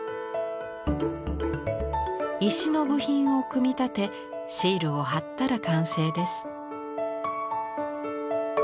石の部品を組み立てシールを貼ったら完成です。